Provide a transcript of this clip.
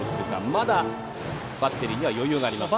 まだバッテリーには余裕があります。